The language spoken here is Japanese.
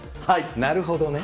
なるほどね。